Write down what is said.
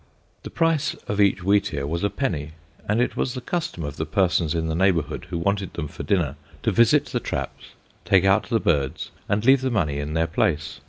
The price of each wheatear was a penny, and it was the custom of the persons in the neighbourhood who wanted them for dinner to visit the traps, take out the birds and leave the money in their place.